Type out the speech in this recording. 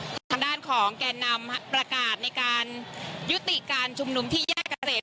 ทางด้านของแก่นำประกาศในการยุติการชุมนุมที่แยกเกษตร